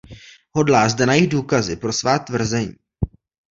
Hodlá zde najít důkazy pro svá tvrzení.